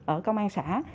ở công an xã